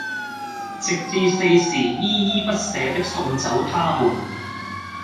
直至四時依依不捨的送走他們！